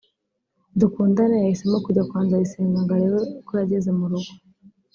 Dukundane yahisemo kujya kwa Nzayisenga ngo arebe ko yageze mu rugo